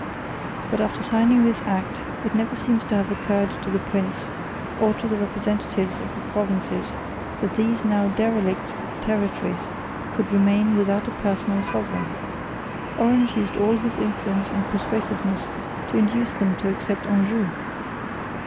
But after signing this Act it never seems to have occurred to the prince or to the representatives of the provinces, that these now derelict territories could remain without a personal sovereign. Orange used all his influence and persuasiveness to induce them to accept Anjou.